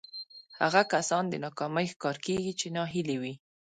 هغه کسان د ناکامۍ ښکار کېږي چې ناهيلي وي.